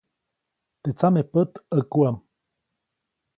Teʼ tsamepät ʼäkuʼam.